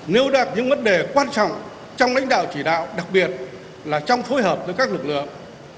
nêu đạt những vấn đề quan trọng trong lãnh đạo chỉ đạo đặc biệt là trong phối hợp với các lực lượng